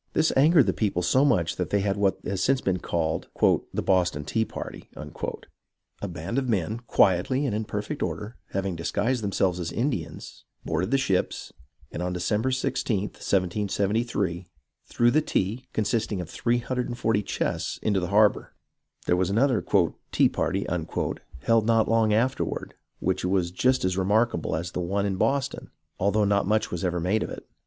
This angered the people so much that they had what has since been called " The Boston Tea Party." A band of men, THE BEGINNINGS OF THE TROUBLE 1/ quietly and in perfect order, having disguised themselves as Indians, boarded the ships, and on December i6th, 1773, threw the tea, consisting of 340 chests, into the harbour. There was another "Tea Party" held not long after ward, which was just as remarkable as the one in Boston, although not much was ever made of it.